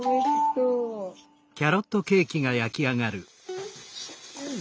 うん！